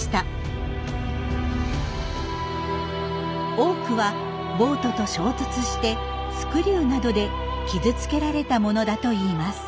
多くはボートと衝突してスクリューなどで傷つけられたものだといいます。